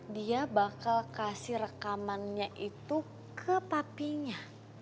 dia bakal kasih rekamannya itu ke patinya